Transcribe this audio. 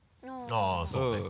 あぁそうね。